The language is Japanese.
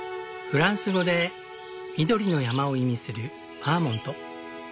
フランス語で「緑の山」を意味するバーモント。